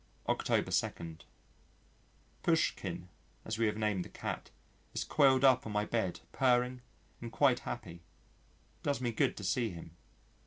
October 2. Poushkin (as we have named the cat) is coiled up on my bed, purring and quite happy. It does me good to see him.